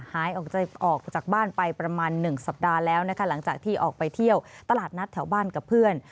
ออกจากออกจากบ้านไปประมาณ๑สัปดาห์แล้วนะคะหลังจากที่ออกไปเที่ยวตลาดนัดแถวบ้านกับเพื่อน